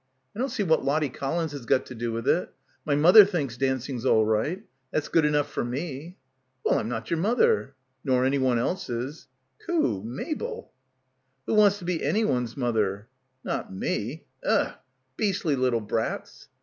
"I don't see* what Lottie Collins has got to do with it. My mother thinks dancing's all right. That's good enough for me." "Well — I'm not your mother." "Nor anyone else's." "Khoo, Mabel." "Who wants to be anyone's mother?" "Not me. Ug. Beastly little brats."